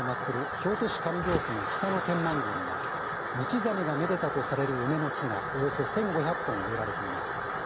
京都市上京区の北野天満宮には道真がめでたとされる梅の木がおよそ１５００本植えられています。